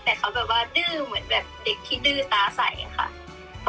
แต่เขาแบบว่าดื้อเหมือนแบบเด็กที่ดื้อตาใสค่ะ